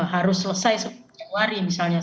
harus selesai sepuluh januari misalnya